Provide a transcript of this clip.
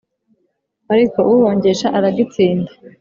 ariko uhongesha aragitsinda